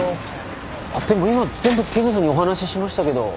でも今全部刑事さんにお話ししましたけど。